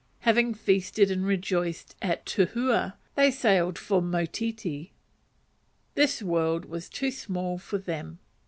Having feasted and rejoiced at Tuhua, they sail for Motiti. This world was too small for them.